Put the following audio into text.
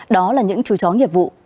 đó là những chú chó nghiệp vụ